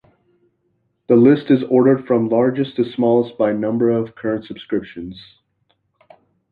This list is ordered from largest to smallest by the number of current subscriptions.